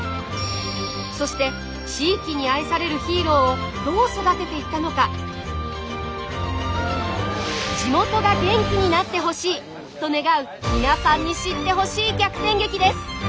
そして地域に愛されるヒーローをどう育てていったのか。と願う皆さんに知ってほしい逆転劇です。